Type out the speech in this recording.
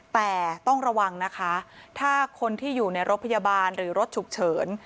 แต่ต้องระวังนะคะถ้าคนที่อยู่ในรถพยาบาลหรือรถฉุกเฉิน